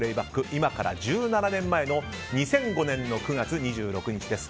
今から１７年前の２００５年９月２６日です。